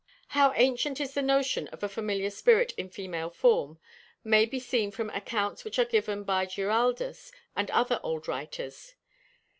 How ancient is the notion of a familiar spirit in female form, may be seen from accounts which are given by Giraldus and other old writers.